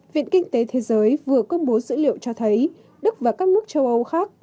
viện kinh tế thế giới vừa công bố dữ liệu cho thấy đức và các nước châu âu khác